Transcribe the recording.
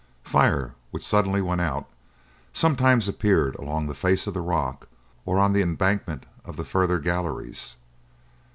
Fire, which suddenly went out, sometimes appeared along the face of the rock or on the embankment of the further galleries.